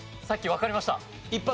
さっきわかりました。